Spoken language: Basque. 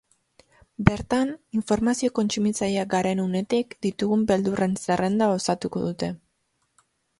Bertan, informazio kontsumitzaileak garen unetik ditugun beldurren zerrenda osatuko dute.